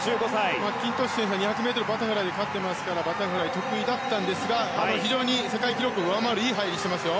マッキントッシュが２００ｍバタフライで勝っていますからバタフライが得意だったんですが非常に世界記録を上回るいい入りをしていますよ。